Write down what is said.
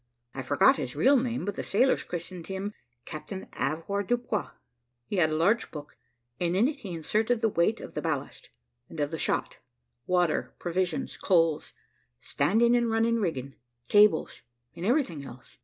I forget his real name, but the sailors christened him Captain Avoirdupois. He had a large book, and in it he inserted the weight of the ballast, and of the shot, water, provisions, coals, standing and running rigging, cables, and everything else.